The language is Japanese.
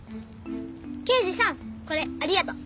刑事さんこれありがとう。